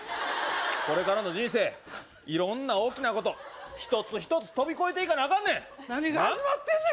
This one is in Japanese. これからの人生色んな大きなこと一つ一つ飛び越えていかなアカンねん何が始まってんねん？